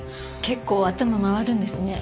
結構頭回るんですね。